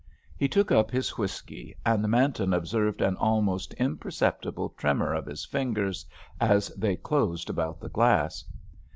He took up his whisky and Manton observed an almost imperceptible tremor of his fingers as they closed about the glass.